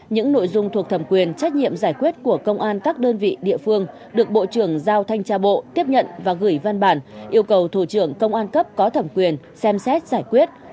những nội dung thuộc thẩm quyền trách nhiệm giải quyết của công an các đơn vị địa phương được bộ trưởng giao thanh tra bộ tiếp nhận và gửi văn bản yêu cầu thủ trưởng công an cấp có thẩm quyền xem xét giải quyết